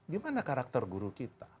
gimana karakter guru kita